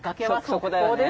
そこだよね。